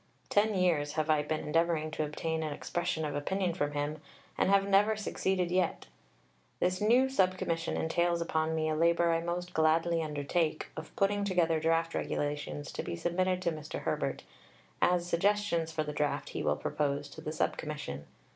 Ten years have I been endeavouring to obtain an expression of opinion from him and have never succeeded yet.... This new Sub Commission entails upon me a labour I most gladly undertake of putting together Draft Regulations to be submitted to Mr. Herbert, as suggestions for the Draft he will propose to the Sub Commission.